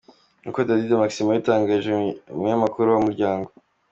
Nk’uko Dady de Maximo yabitangarije umunyamakuru wa Umuryango.